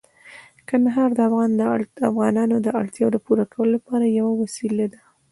کندهار د افغانانو د اړتیاوو پوره کولو لپاره یوه وسیله ده.